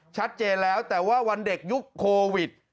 ชัดเจนแล้วแต่ว่าวันเด็กยุคโควิด